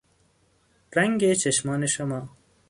رنگ چشمان شما